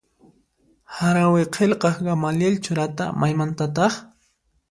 Harawi qillqaq Gamaliel Churata maymantataq?